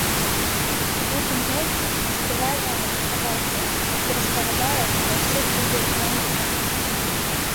У гэтым годзе фестываль нават заказаў фільм, які распавядае пра ўсе цуды лайн-апа.